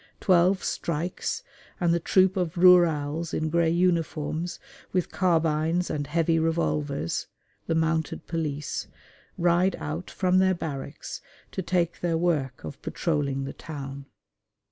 Twelve strikes, and the troop of rurales in grey uniforms, with carbines and heavy revolvers the mounted police ride out from their barracks to take their work of patrolling the town.